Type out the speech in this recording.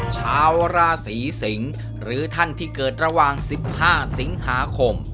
ชาวราศีสิงศ์หรือท่านที่เกิดระหว่าง๑๕สิงหาคม